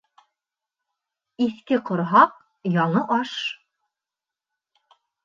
Иҫке ҡорһаҡ, яңы аш